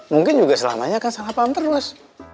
mungkin juga selamanya akan salah paham terus